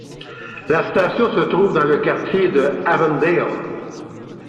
La station se trouve dans le quartier de Avondale.